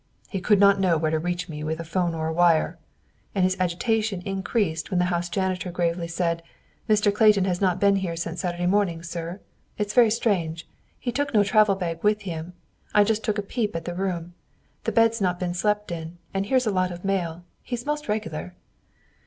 "He could not know where to reach me with a 'phone or a wire," and his agitation increased when the house janitor gravely said, "Mr. Clayton has not been here since Saturday morning, sir. It's very strange. He took no travel bag with him. I just took a peep at the room. The bed's not been slept in, and here's a lot of mail. He's most regular.